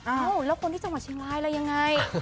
เอ้าแล้วคนที่จังหวัดเชียงรายอะไรยังไง